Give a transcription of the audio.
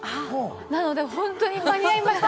なので本当に間に合いました。